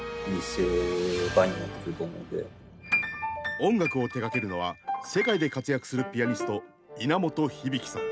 音楽を手がけるのは世界で活躍するピアニスト稲本響さん。